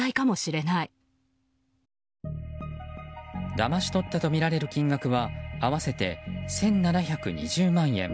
だまし取ったとみられる金額は合わせて１７２０万円。